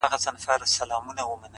دغه ياغي خـلـگـو بــه منـلاى نـــه!